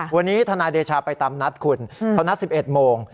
วันนี้ทนายเดชาไปตามนัดคุณเขานัด๑๑โมง